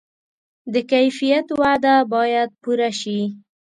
د کیفیت وعده باید پوره شي.